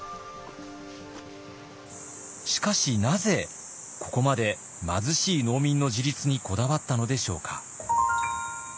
しかしなぜここまで貧しい農民の自立にこだわったのでしょうか。